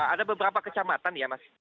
ada beberapa kecamatan ya mas